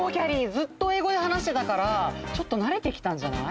ずっとえいごではなしてたからちょっとなれてきたんじゃない？